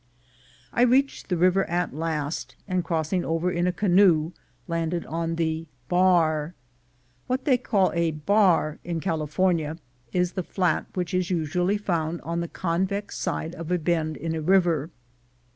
I reached the river at last, and crossing over in a canoe, landed on the "Bar." What they call a Bar in California is the flat which is usually found on the convex side of a bend in a river.